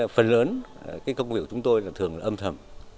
phần lớn công việc của chúng tôi thường là âm thầm